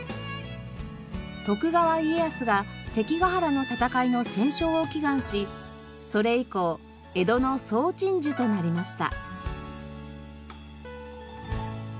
徳川家康が関ヶ原の戦いの戦勝を祈願しそれ以降江戸の総鎮守となりました。